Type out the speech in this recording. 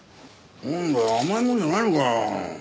なんだよ甘いもんじゃないのかよ。